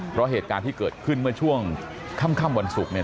เพราะเหตุการณ์ที่เกิดขึ้นเมื่อช่วงค่ำวันศุกร์เนี่ย